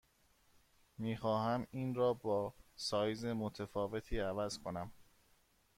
می خواهم این را با سایز متفاوتی عوض کنم.